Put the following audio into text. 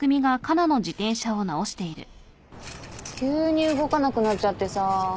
急に動かなくなっちゃってさ。